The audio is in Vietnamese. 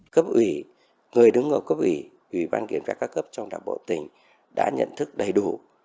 cấp ủy người đứng ở cấp ủy ủy ban kiểm tra các cấp trong đảng bộ tỉnh đã nhận thức đầy đủ